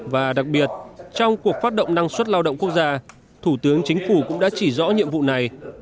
và đặc biệt trong cuộc phát động năng suất lao động quốc gia thủ tướng chính phủ cũng đã chỉ rõ nhiệm vụ này